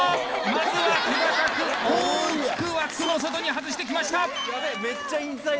まずは手堅く大きく枠の外に外してきました！